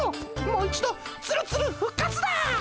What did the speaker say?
もう一度ツルツル復活だ！